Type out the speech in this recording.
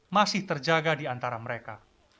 masih terjaga di antara mereka